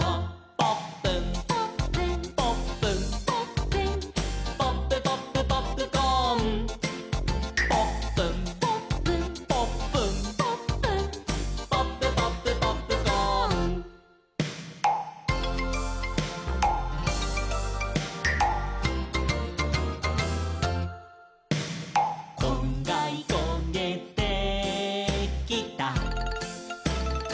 「ポップン」「ポップン」「ポップン」「ポップン」「ポップポップポップコーン」「ポップン」「ポップン」「ポップン」「ポップン」「ポップポップポップコーン」「こんがりこげてきた」